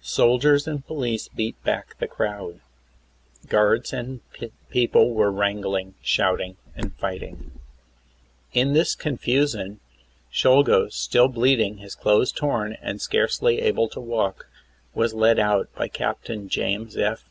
Soldiers and police beat back the crowd. Guards and people were wrangling, shouting and fighting. THE ASSASSINATION OF PRESIDENT McKINLEY. 37 In this confusion, Czolgosz, still bleeding, his clothes torn, and scarcely able to walk, was led out by Captain James F.